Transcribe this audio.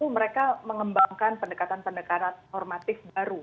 mereka mengembangkan pendekatan pendekatan normatif baru